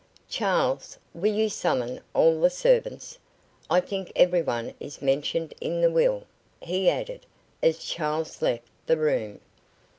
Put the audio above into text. Charles, will you summon all the servants. I think everyone is mentioned in the will," he added, as Charles left the room.